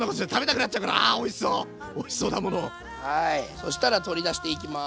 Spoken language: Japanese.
そしたら取り出していきます。